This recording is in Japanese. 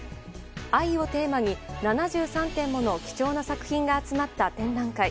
愛をテーマに７３点もの貴重な作品が集まった展覧会。